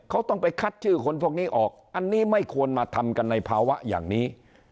เขาต้องไปคัดชื่อคนพวกนี้ออกอันนี้ไม่ควรมาทำกันในภาวะอย่างนี้